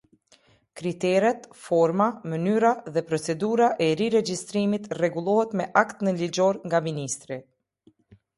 Kriteret, forma, mënyra dhe procedura e riregjistrimit rregullohet me akt nënligjor nga Ministri.